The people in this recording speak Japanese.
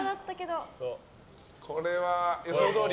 これは、予想どおり？